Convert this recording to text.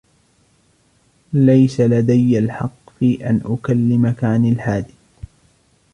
ليس لدي الحق في أن أكلمك عن الحادث.